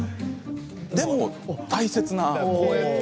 でも大切な。